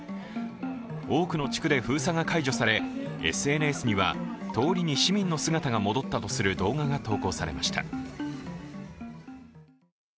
多くの地区で封鎖が解除され、ＳＮＳには通りに市民の姿が戻ったとする動画が投稿されました。